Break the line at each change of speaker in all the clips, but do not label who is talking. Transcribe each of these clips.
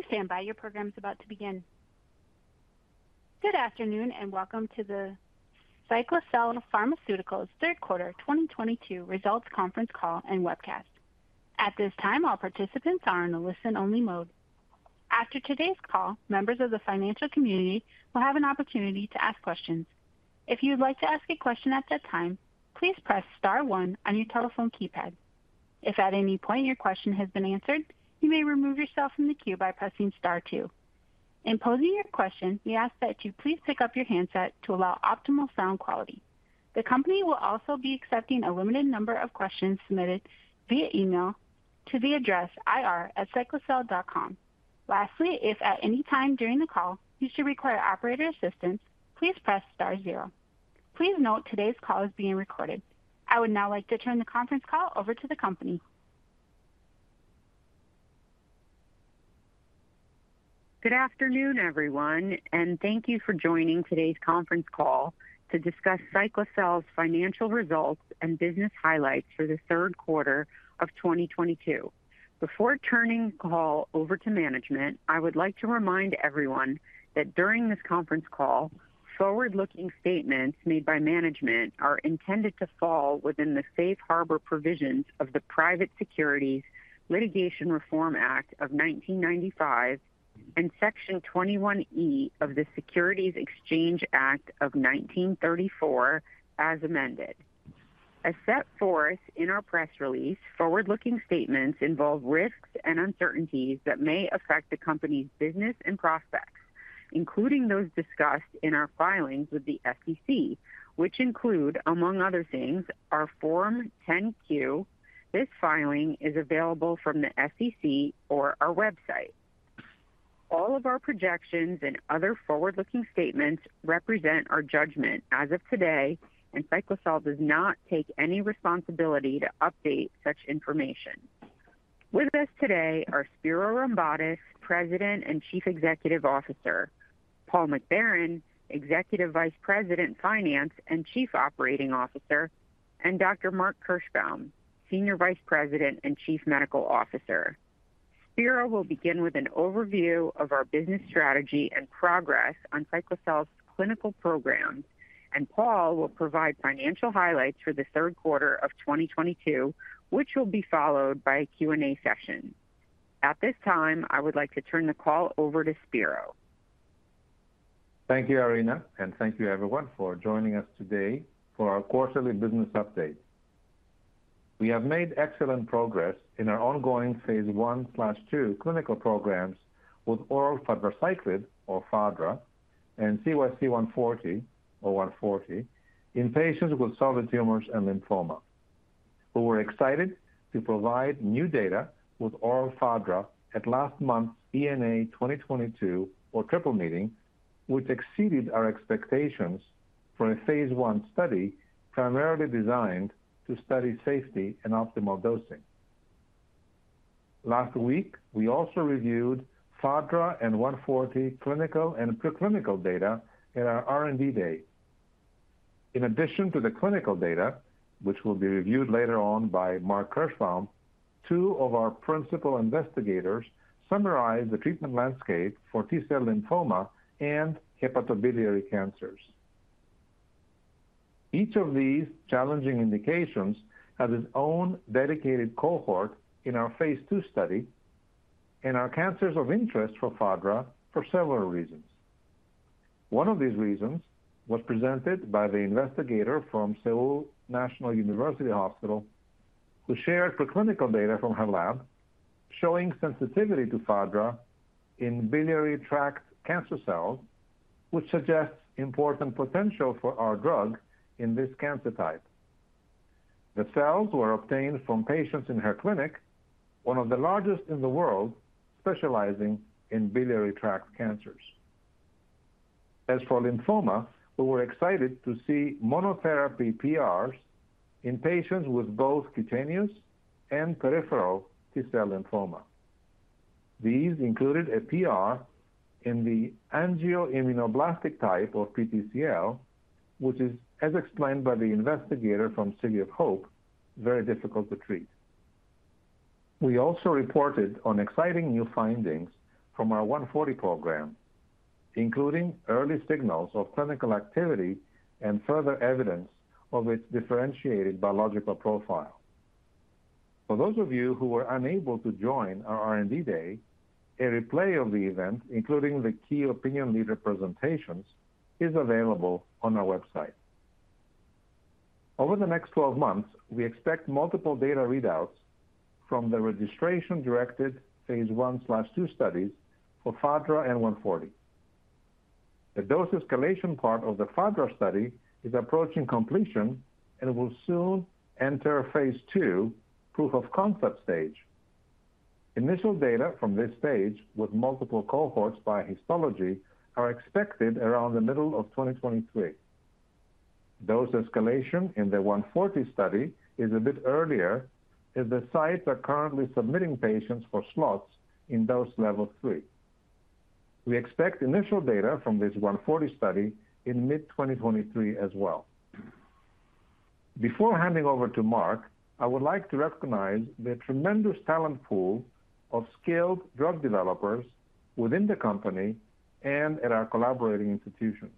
Please stand by. Your program is about to begin. Good afternoon, and welcome to the Cyclacel Pharmaceuticals third quarter 2022 results conference call and webcast. At this time, all participants are in a listen-only mode. After today's call, members of the financial community will have an opportunity to ask questions. If you would like to ask a question at that time, please press star one on your telephone keypad. If at any point your question has been answered, you may remove yourself from the queue by pressing star two. In posing your question, we ask that you please pick up your handset to allow optimal sound quality. The company will also be accepting a limited number of questions submitted via email to the address ir@cyclacel.com. Lastly, if at any time during the call you should require operator assistance, please press star zero. Please note today's call is being recorded. I would now like to turn the conference call over to the company.
Good afternoon, everyone, and thank you for joining today's conference call to discuss Cyclacel's financial results and business highlights for the third quarter of 2022. Before turning the call over to management, I would like to remind everyone that during this conference call, forward-looking statements made by management are intended to fall within the safe harbor provisions of the Private Securities Litigation Reform Act of 1995 and Section 21E of the Securities Exchange Act of 1934 as amended. As set forth in our press release, forward-looking statements involve risks and uncertainties that may affect the company's business and prospects, including those discussed in our filings with the SEC, which include, among other things, our Form 10-Q. This filing is available from the SEC or our website. All of our projections and other forward-looking statements represent our judgment as of today, and Cyclacel does not take any responsibility to update such information. With us today are Spiro Rombotis, President and Chief Executive Officer, Paul McBarron, Executive Vice President, Finance and Chief Operating Officer, and Dr. Mark Kirschbaum, Senior Vice President and Chief Medical Officer. Spiro will begin with an overview of our business strategy and progress on Cyclacel's clinical programs, and Paul will provide financial highlights for the third quarter of 2022, which will be followed by a Q& A session. At this time, I would like to turn the call over to Spiro.
Thank you, Irina, and thank you everyone for joining us today for our quarterly business update. We have made excellent progress in our ongoing phase I/II clinical programs with oral fadraciclib or fadra and CYC140 or 140 in patients with solid tumors and lymphoma. We were excited to provide new data with oral fadra at last month's ENA 2022 or Triple Meeting, which exceeded our expectations for a phase I study primarily designed to study safety and optimal dosing. Last week, we also reviewed fadra and 140 clinical and preclinical data at our R&D Day. In addition to the clinical data, which will be reviewed later on by Mark Kirschbaum, two of our principal investigators summarized the treatment landscape for T-cell lymphoma and hepatobiliary cancers. Each of these challenging indications has its own dedicated cohort in our phase II study and are cancers of interest for fadra for several reasons. One of these reasons was presented by the investigator from Seoul National University Hospital, who shared preclinical data from her lab showing sensitivity to fadra in biliary tract cancer cells, which suggests important potential for our drug in this cancer type. The cells were obtained from patients in her clinic, one of the largest in the world, specializing in biliary tract cancers. As for lymphoma, we were excited to see monotherapy PRs in patients with both cutaneous and peripheral T-cell lymphoma. These included a PR in the angioimmunoblastic type of PTCL, which is, as explained by the investigator from City of Hope, very difficult to treat. We also reported on exciting new findings from our 140 program, including early signals of clinical activity and further evidence of its differentiated biological profile. For those of you who were unable to join our R&D Day, a replay of the event, including the key opinion leader presentations, is available on our website. Over the next 12 months, we expect multiple data readouts from the registration-directed phase I/II studies for fadra and 140. The dose escalation part of the fadra study is approaching completion and will soon enter a phase II proof of concept stage. Initial data from this stage with multiple cohorts by histology are expected around the middle of 2023. Dose escalation in the 140 study is a bit earlier as the sites are currently submitting patients for slots in dose level 3. We expect initial data from this 140 study in mid-2023 as well. Before handing over to Mark, I would like to recognize the tremendous talent pool of skilled drug developers within the company and at our collaborating institutions.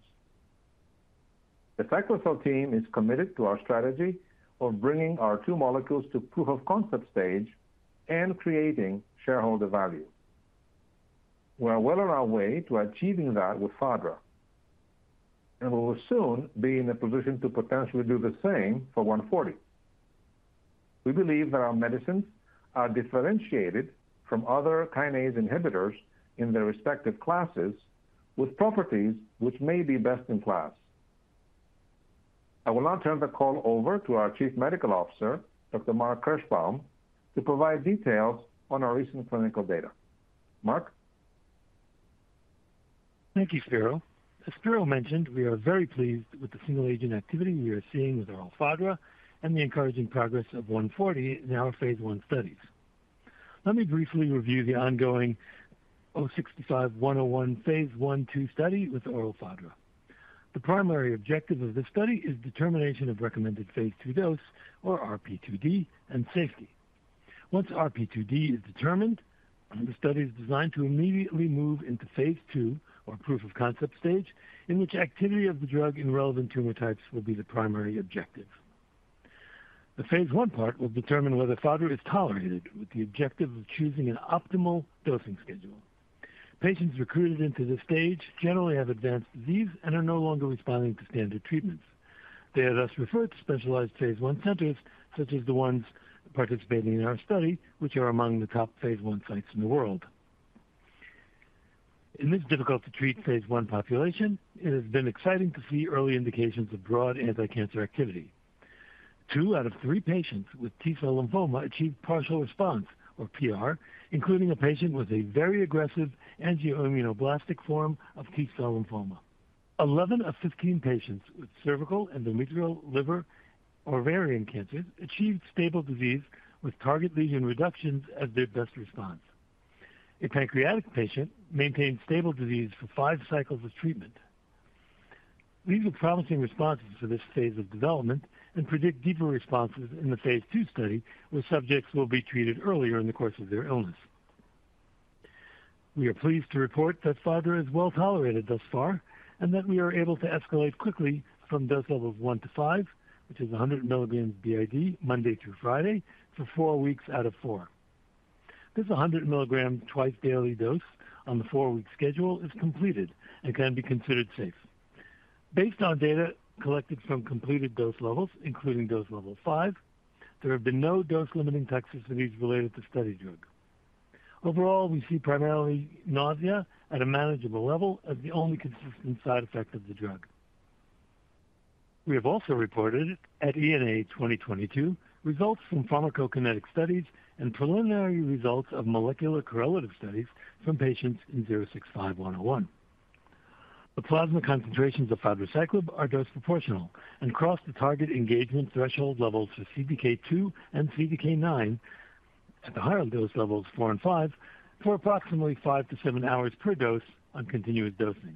The Cyclacel team is committed to our strategy of bringing our two molecules to proof of concept stage and creating shareholder value. We are well on our way to achieving that with fadra, and we will soon be in a position to potentially do the same for 140. We believe that our medicines are differentiated from other kinase inhibitors in their respective classes with properties which may be best in class. I will now turn the call over to our Chief Medical Officer, Dr. Mark Kirschbaum, to provide details on our recent clinical data. Mark?
Thank you, Spiro. As Spiro mentioned, we are very pleased with the single-agent activity we are seeing with oral fadra and the encouraging progress of 140 in our phase I studies. Let me briefly review the ongoing 065-101 phase I/II study with oral fadra. The primary objective of this study is determination of recommended phase II dose or RP2D and safety. Once RP2D is determined, the study is designed to immediately move into phase II or proof of concept stage, in which activity of the drug in relevant tumor types will be the primary objective. The phase I part will determine whether fadra is tolerated with the objective of choosing an optimal dosing schedule. Patients recruited into this stage generally have advanced disease and are no longer responding to standard treatments. They are thus referred to specialized phase I centers, such as the ones participating in our study, which are among the top phase I sites in the world. In this difficult-to-treat phase I population, it has been exciting to see early indications of broad anti-cancer activity. Two out of three patients with T-cell lymphoma achieved partial response or PR, including a patient with a very aggressive angioimmunoblastic form of T-cell lymphoma. 11 of 15 patients with cervical, endometrial, liver, or ovarian cancers achieved stable disease with target lesion reductions as their best response. A pancreatic patient maintained stable disease for five cycles of treatment. These are promising responses for this phase of development and predict deeper responses in the phase II study where subjects will be treated earlier in the course of their illness. We are pleased to report that fadra is well-tolerated thus far and that we are able to escalate quickly from dose levels 1 to 5, which is 100 mg BID, Monday through Friday for four weeks out of four. This 100 mg twice daily dose on the four-week schedule is completed and can be considered safe. Based on data collected from completed dose levels, including dose level 5, there have been no dose-limiting toxicities related to study drug. Overall, we see primarily nausea at a manageable level as the only consistent side effect of the drug. We have also reported at EORTC-NCI-AACR 2022 results from pharmacokinetic studies and preliminary results of molecular correlative studies from patients in 065-101. The plasma concentrations of fadraciclib are dose proportional and cross the target engagement threshold levels for CDK2 and CDK9 at the higher dose levels 4 and 5 for approximately five to seven hours per dose on continuous dosing.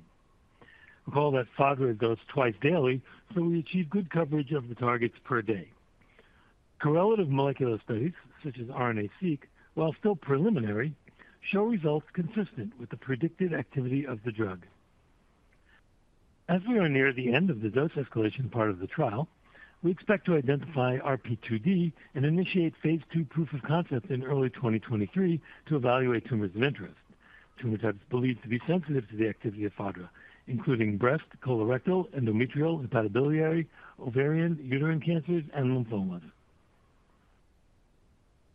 Recall that fadra is dosed twice daily, so we achieve good coverage of the targets per day. Correlative molecular studies such as RNA-Seq, while still preliminary, show results consistent with the predicted activity of the drug. We are near the end of the dose escalation part of the trial. We expect to identify RP2D and initiate phase II proof of concept in early 2023 to evaluate tumors of interest. Tumor types believed to be sensitive to the activity of fadra, including breast, colorectal, endometrial, hepatobiliary, ovarian, uterine cancers, and lymphomas.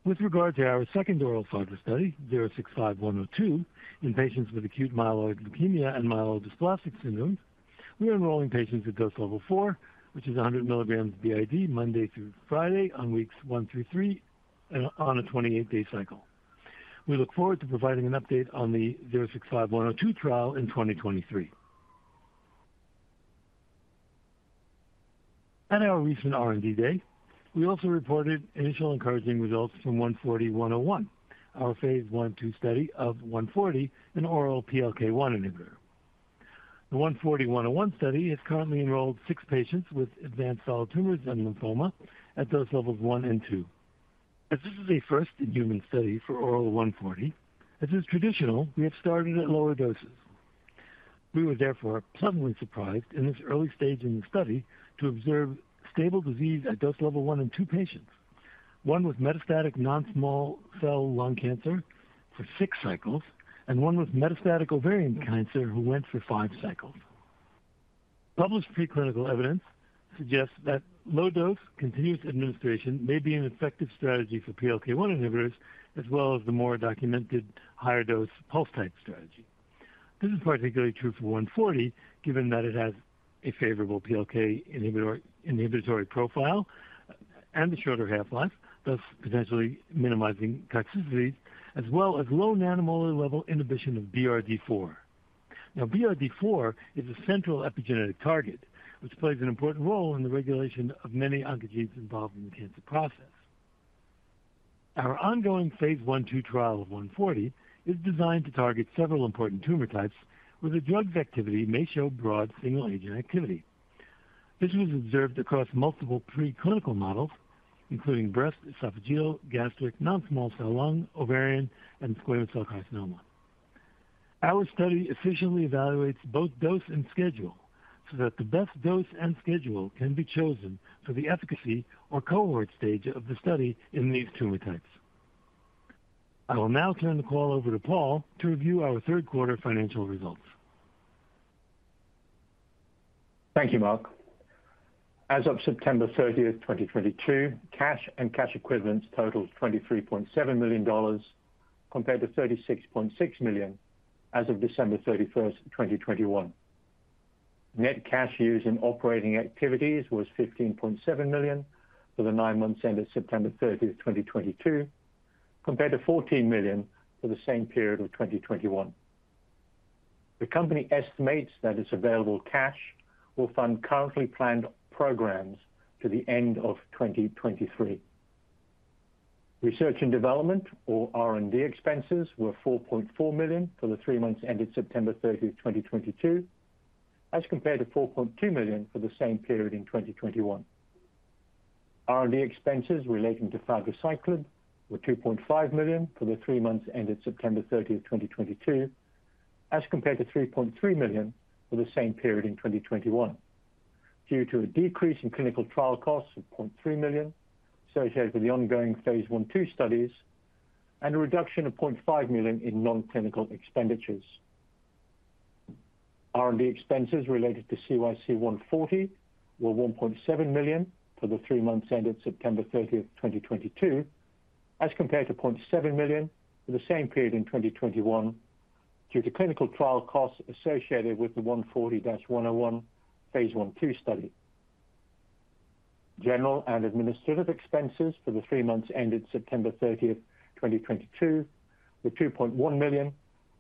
With regard to our second oral fadra study, 065-102 in patients with acute myeloid leukemia and myelodysplastic syndrome, we are enrolling patients at dose level 4, which is 100 mg BID Monday through Friday on weeks one through three and on a 28-day cycle. We look forward to providing an update on the 065-102 trial in 2023. At our recent R&D Day, we also reported initial encouraging results from 140-101, our phase I/II study of 140, an oral PLK1 inhibitor. The 140-101 study has currently enrolled six patients with advanced solid tumors and lymphoma at dose levels 1 and 2. As this is a first-in-human study for oral 140, as is traditional, we have started at lower doses. We were therefore pleasantly surprised in this early stage in the study to observe stable disease at dose level 1 in two patients, one with metastatic non-small cell lung cancer for six cycles and one with metastatic ovarian cancer who went for five cycles. Published preclinical evidence suggests that low-dose continuous administration may be an effective strategy for PLK1 inhibitors as well as the more documented higher dose pulse type strategy. This is particularly true for 140, given that it has a favorable PLK inhibitory profile and a shorter half-life, thus potentially minimizing toxicity as well as low nanomolar level inhibition of BRD4. BRD4 is a central epigenetic target which plays an important role in the regulation of many oncogenes involved in the cancer process. Our ongoing phase I/II trial of CYC140 is designed to target several important tumor types where the drug's activity may show broad single agent activity. This was observed across multiple preclinical models, including breast, esophageal, gastric, non-small cell lung, ovarian, and squamous cell carcinoma. Our study efficiently evaluates both dose and schedule so that the best dose and schedule can be chosen for the efficacy or cohort stage of the study in these tumor types. I will now turn the call over to Paul to review our third quarter financial results.
Thank you, Mark. As of September 30th, 2022, cash and cash equivalents totaled $23.7 million compared to $36.6 million as of December 31st, 2021. Net cash used in operating activities was $15.7 million for the nine months ended September 30th, 2022, compared to $14 million for the same period of 2021. The company estimates that its available cash will fund currently planned programs to the end of 2023. Research and development, or R&D expenses, were $4.4 million for the three months ended September 30th, 2022, as compared to $4.2 million for the same period in 2021. R&D expenses relating to fadraciclib were $2.5 million for the three months ended September 30, 2022, as compared to $3.3 million for the same period in 2021, due to a decrease in clinical trial costs of $0.3 million associated with the ongoing phase I/II studies and a reduction of $0.5 million in non-clinical expenditures. R&D expenses related to CYC140 were $1.7 million for the three months ended September 30, 2022, as compared to $0.7 million for the same period in 2021 due to clinical trial costs associated with the 140-101 phase I/II study. General and administrative expenses for the three months ended September 30, 2022 were $2.1 million,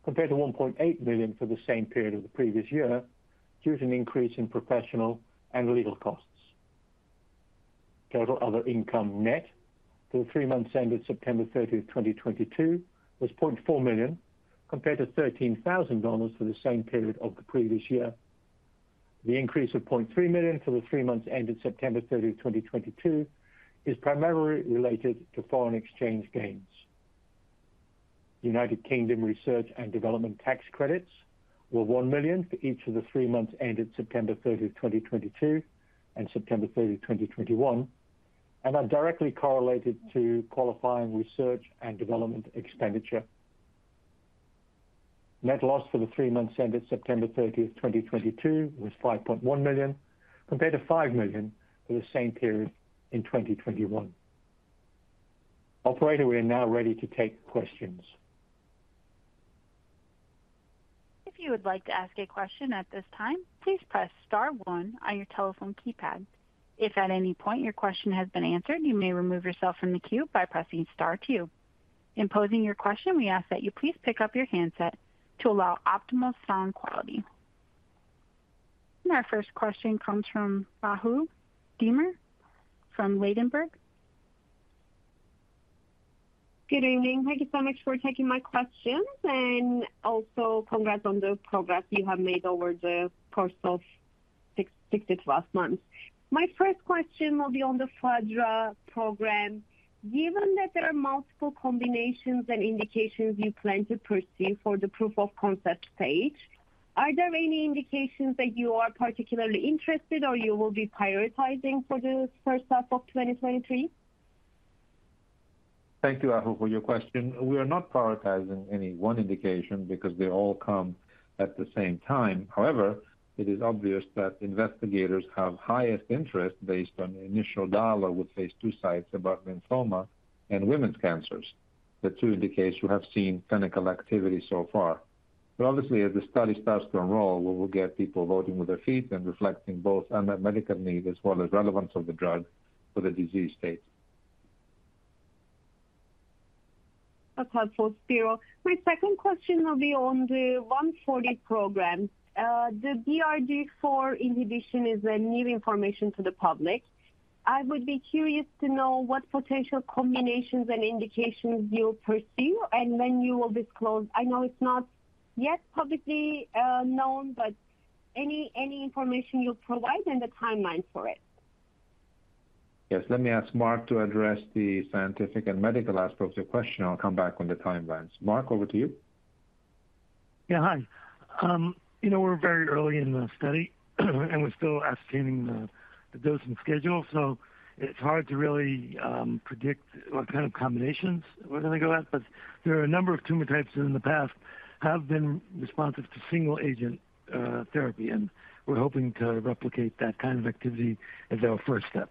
compared to $1.8 million for the same period of the previous year, due to an increase in professional and legal costs. Total other income net for the three months ended September 30, 2022 was $0.4 million, compared to $13,000 for the same period of the previous year. The increase of $0.3 million for the three months ended September 30, 2022 is primarily related to foreign exchange gains. United Kingdom research and development tax credits were $1 million for each of the three months ended September 30, 2022 and September 30, 2021 and are directly correlated to qualifying research and development expenditure. Net loss for the three months ended September 30, 2022 was $5.1 million, compared to $5 million for the same period in 2021. Operator, we are now ready to take questions.
If you would like to ask a question at this time, please press star one on your telephone keypad. If at any point your question has been answered, you may remove yourself from the queue by pressing star two. In posing your question, we ask that you please pick up your handset to allow optimal sound quality. Our first question comes from Ahu Demir from Ladenburg.
Good evening. Thank you so much for taking my questions and also congrats on the progress you have made over the course of six to 12 months. My first question will be on the fadra program. Given that there are multiple combinations and indications you plan to pursue for the proof of concept stage, are there any indications that you are particularly interested or you will be prioritizing for the first half of 2023?
Thank you, Ahu, for your question. We are not prioritizing any one indication because they all come at the same time. However, it is obvious that investigators have highest interest based on the initial dialogue with phase II sites about lymphoma and women's cancers. The two indications you have seen clinical activity so far. Obviously, as the study starts to enroll, we will get people voting with their feet and reflecting both on the medical need as well as relevance of the drug for the disease state.
That's helpful, Spiro. My second question will be on the 140 program. The BRD4 inhibition is a new information to the public. I would be curious to know what potential combinations and indications you pursue and when you will disclose. I know it's not yet publicly known, but any information you'll provide and the timeline for it.
Yes. Let me ask Mark to address the scientific and medical aspects of the question. I'll come back on the timelines. Mark, over to you.
Yeah, hi. You know, we're very early in the study and we're still ascertaining the dosing schedule, so it's hard to really predict what kind of combinations we're gonna go at. But there are a number of tumor types that in the past have been responsive to single agent therapy, and we're hoping to replicate that kind of activity as our first step.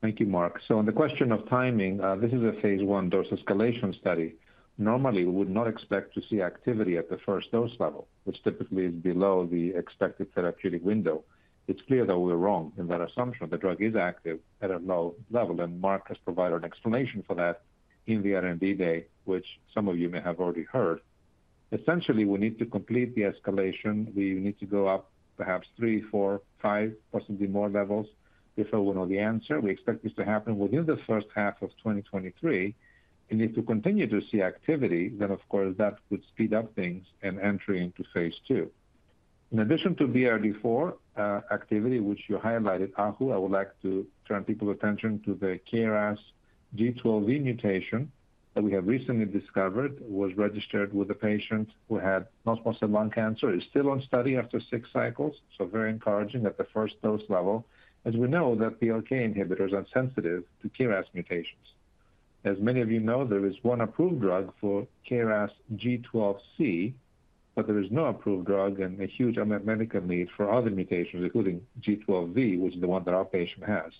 Thank you, Mark. On the question of timing, this is a phase I dose escalation study. Normally, we would not expect to see activity at the first dose level, which typically is below the expected therapeutic window. It's clear that we're wrong in that assumption. The drug is active at a low level, and Mark has provided an explanation for that in the R&D Day, which some of you may have already heard. Essentially, we need to complete the escalation. We need to go up perhaps three, four, five, possibly more levels before we know the answer. We expect this to happen within the first half of 2023. If we continue to see activity, then of course that would speed up things and entry into phase II. In addition to BRD4 activity, which you highlighted, Ahu, I would like to turn people's attention to the KRAS G12V mutation that we have recently discovered was registered with a patient who had non-small cell lung cancer, is still on study after six cycles, so very encouraging at the first dose level. As we know that PLK inhibitor is insensitive to KRAS mutations. As many of you know, there is one approved drug for KRAS G12C, but there is no approved drug and a huge unmet medical need for other mutations, including G12V, which is the one that our patient has.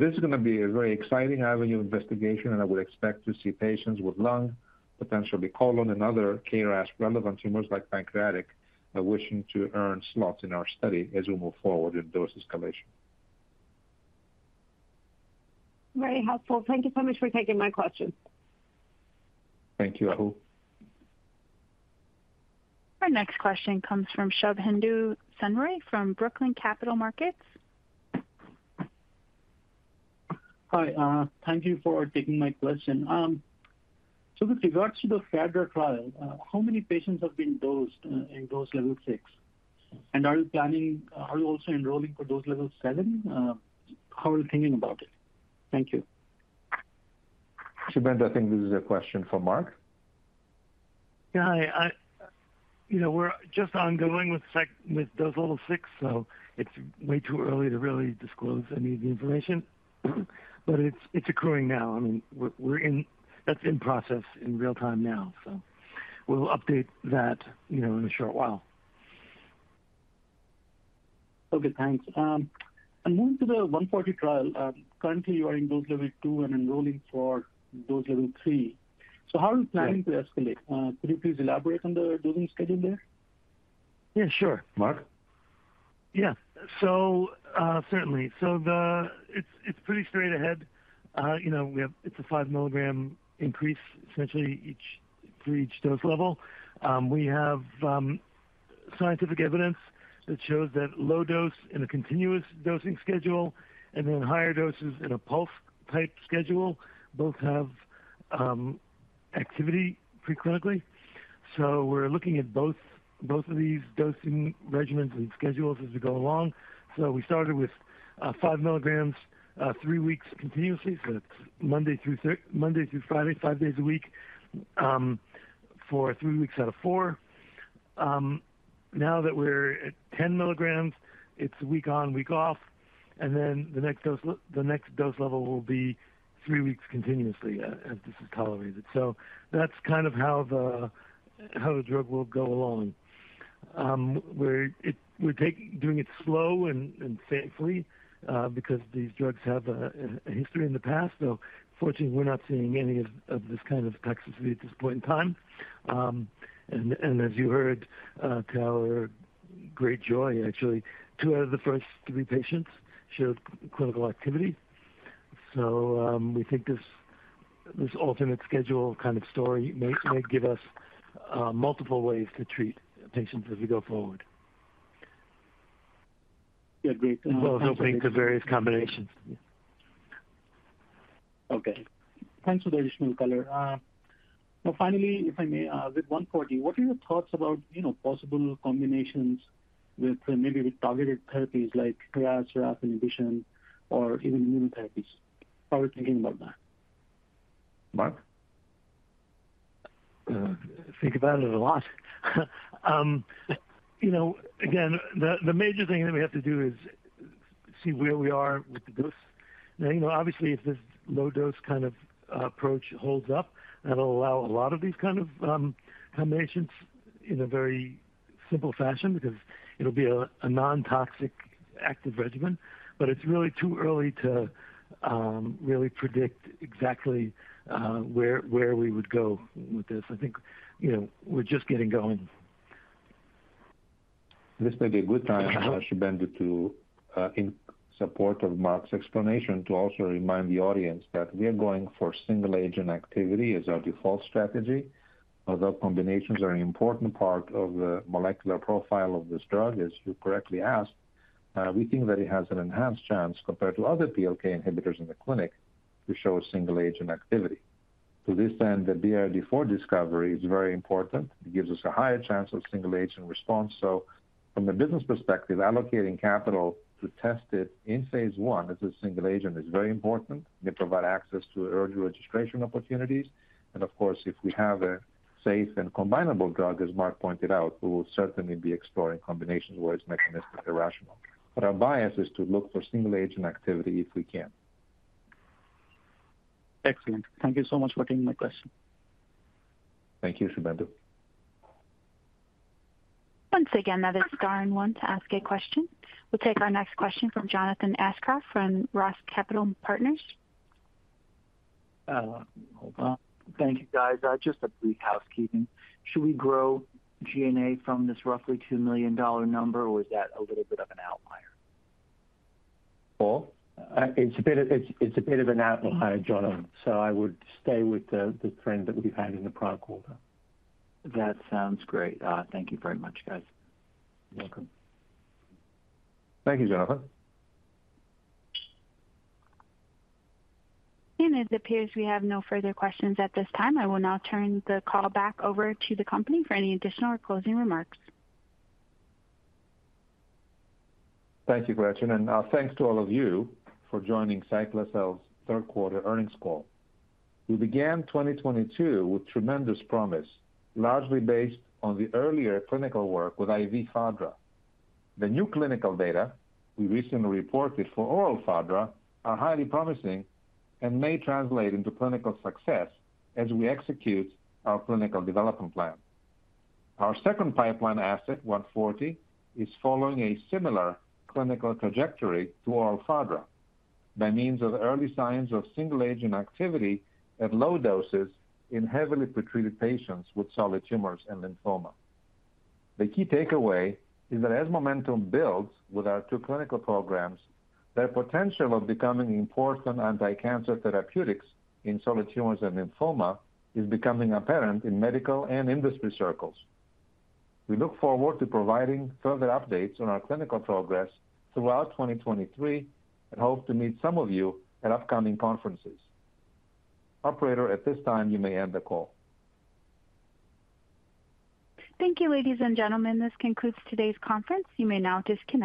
This is gonna be a very exciting avenue of investigation, and I would expect to see patients with lung, potentially colon and other KRAS-relevant tumors like pancreatic, wishing to earn slots in our study as we move forward in dose escalation.
Very helpful. Thank you so much for taking my question.
Thank you, Ahu.
Our next question comes from Shubhendu Sen Roy from Brookline Capital Markets.
Hi, thank you for taking my question. With regards to the fadra trial, how many patients have been dosed in dose level 6? Are you also enrolling for dose level 7? How are you thinking about it? Thank you.
Shubhendu, I think this is a question for Mark.
Yeah. I you know, we're just ongoing with dose level 6, so it's way too early to really disclose any of the information. It's accruing now. I mean, that's in process in real time now. We'll update that, you know, in a short while.
Okay, thanks. Moving to the 140 trial. Currently you are in dose level 2 and enrolling for dose level 3. How are you planning to escalate? Could you please elaborate on the dosing schedule there?
Yeah, sure. Mark?
Yeah. Certainly. It's pretty straightforward. You know, it's a 5-mg increase essentially each through each dose level. We have scientific evidence that shows that low dose in a continuous dosing schedule and then higher doses in a pulse-type schedule both have activity preclinically. We're looking at both of these dosing regimens and schedules as we go along. We started with 5 mg, three weeks continuously, so that's Monday through Friday, five days a week, for three weeks out of four. Now that we're at 10 mg, it's week on, week off, and then the next dose level will be three weeks continuously as this is tolerated. That's kind of how the drug will go along. We're doing it slow and safely, because these drugs have a history in the past, though fortunately we're not seeing any of this kind of toxicity at this point in time. As you heard, to our great joy actually, two out of the first three patients showed clinical activity. We think this alternate schedule kind of story may give us multiple ways to treat patients as we go forward.
Yeah, great.
As well as opening to various combinations.
Okay. Thanks for the additional color. Now finally, if I may, with 140, what are your thoughts about, you know, possible combinations with maybe targeted therapies like KRAS, RAF inhibition or even immunotherapies? How are you thinking about that?
Mark?
Think about it a lot. You know, again, the major thing that we have to do is see where we are with the dose. Now, you know, obviously if this low dose kind of approach holds up, that'll allow a lot of these kind of combinations in a very simple fashion because it'll be a non-toxic active regimen. But it's really too early to really predict exactly where we would go with this. I think, you know, we're just getting going.
This may be a good time, Shubhendu, to in support of Mark's explanation, to also remind the audience that we are going for single-agent activity as our default strategy. Although combinations are an important part of the molecular profile of this drug, as you correctly asked, we think that it has an enhanced chance compared to other PLK inhibitors in the clinic to show a single-agent activity. To this end, the BRD4 discovery is very important. It gives us a higher chance of single-agent response. From a business perspective, allocating capital to test it in phase I as a single agent is very important. It may provide access to early registration opportunities. Of course, if we have a safe and combinable drug, as Mark pointed out, we will certainly be exploring combinations where it's mechanistically rational. Our bias is to look for single-agent activity if we can.
Excellent. Thank you so much for taking my question.
Thank you, Shubhendu.
Once again, that is star one to ask a question. We'll take our next question from Jonathan Aschoff from ROTH Capital Partners.
Hold on. Thank you, guys. Just a brief housekeeping. Should we grow G&A from this roughly $2 million number, or is that a little bit of an outlier?
Paul?
It's a bit of an outlier, Jonathan. I would stay with the trend that we've had in the prior quarter.
That sounds great. Thank you very much, guys.
You're welcome.
Thank you, Jonathan.
It appears we have no further questions at this time. I will now turn the call back over to the company for any additional or closing remarks.
Thank you, Gretchen, and thanks to all of you for joining Cyclacel's third quarter earnings call. We began 2022 with tremendous promise, largely based on the earlier clinical work with IV fadra. The new clinical data we recently reported for oral fadra are highly promising and may translate into clinical success as we execute our clinical development plan. Our second pipeline asset, 140, is following a similar clinical trajectory to oral fadra by means of early signs of single-agent activity at low doses in heavily pre-treated patients with solid tumors and lymphoma. The key takeaway is that as momentum builds with our two clinical programs, their potential of becoming important anti-cancer therapeutics in solid tumors and lymphoma is becoming apparent in medical and industry circles. We look forward to providing further updates on our clinical progress throughout 2023 and hope to meet some of you at upcoming conferences. Operator, at this time, you may end the call.
Thank you, ladies and gentlemen. This concludes today's conference. You may now disconnect.